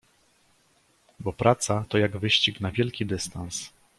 "Bo praca, to jak wyścig na wielki dystans."